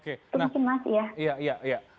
itu mungkin masih ya